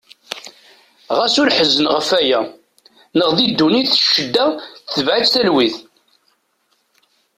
Ɣas ur ḥezzen ɣef aya. Neɣ di ddunit ccedda tebeε-itt talwit.